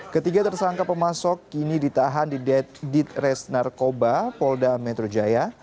ketiga tersangka pemasok kini ditahan di dedit res narkoba polda metro jaya